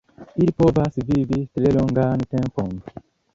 Ili povas vivi tre longan tempon.